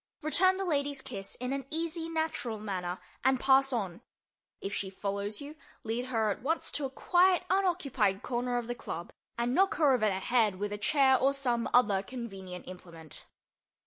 Return the lady's kiss in an easy, natural manner and pass on. If she follows you, lead her at once to a quiet unoccupied corner of the club and knock her over the head with a chair or some other convenient implement.